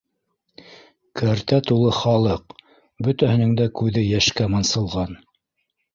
Кәртә тулы халыҡ, бөтәһенең дә күҙе йәшкә мансылған.